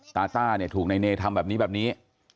ตาต้าถูกในเนธรรมแบบนี้แบบนี้